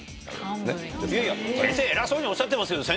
いやいや先生偉そうにおっしゃってますけど。